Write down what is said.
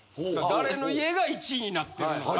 誰の家が１位になってるのか。